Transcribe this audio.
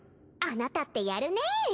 あなたってやるね。